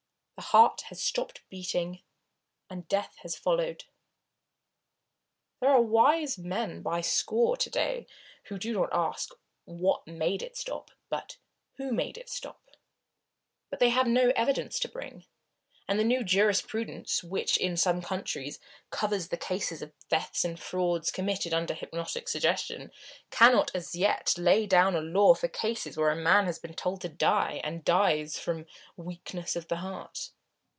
The heart has stopped beating, and death has followed. There are wise men by the score to day who do not ask "What made it stop?" but "Who made it stop?" But they have no evidence to bring, and the new jurisprudence, which in some countries covers the cases of thefts and frauds committed under hypnotic suggestion, cannot as yet lay down the law for cases where a man has been told to die, and dies from "weakness of the heart."